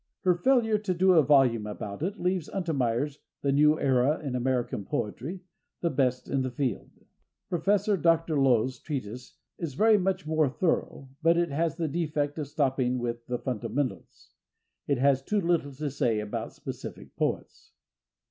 Her failure to do a volume about it leaves Untermeyer's "The New Era in American Poetry" the best in the field. Prof. Dr. Lowes' treatise is very much more thorough, but it has the defect of stopping with the fundamentals—it has too little to say about specific poets.